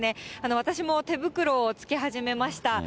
私も手袋をつけ始めました。